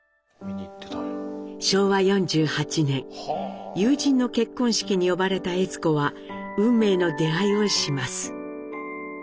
昭和４８年友人の結婚式に呼ばれた悦子は運命の出会いをします。